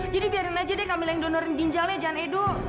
jadi biarin aja deh kamila yang donorkan ginjalnya jangan edo